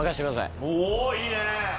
おいいね！